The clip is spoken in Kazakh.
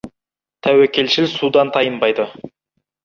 Тәуекелшіл судан тайынбайды.